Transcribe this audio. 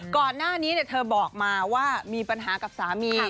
ก่อนหน้านี้เธอบอกมาว่ามีปัญหากับสามี